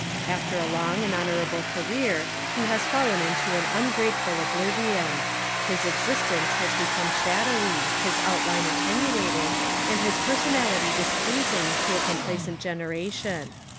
After a long and honourable career he has fallen into an ungrateful ob livion. His existence has become shadowy, his outline attenuated, and his per sonality displeasing to a complacent genera tion.